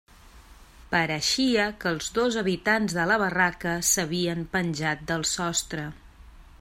Pareixia que els dos habitants de la barraca s'havien penjat del sostre.